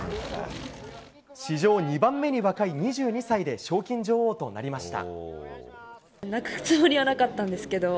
史上２番目に若い２２歳で賞金女王となりました。